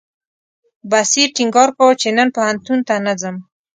بصیر ټینګار کاوه چې نن پوهنتون ته نه ځم.